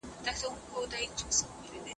ټکنالوژي د سوداګرۍ لپاره نوي تخنيکي لارې برابروي.